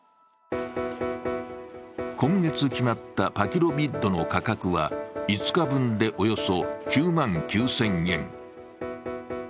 今月決まったパキロビッドの価格は、５日分でおよそ９万９０００円。